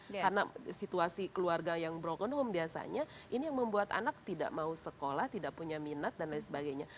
karena situasi keluarga yang broken home biasanya ini yang membuat anak tidak mau sekolah tidak punya minat dan lain sebagainya